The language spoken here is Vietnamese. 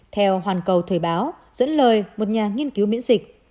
theo hoàn cầu thời báo dẫn lời một nhà nghiên cứu miễn dịch